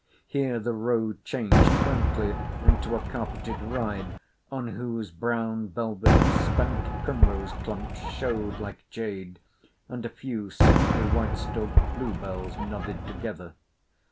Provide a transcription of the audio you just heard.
Here the road changed frankly into a carpetted ride on whose brown velvet spent primrose clumps showed like jade, and a few sickly, white stalked bluebells nodded together.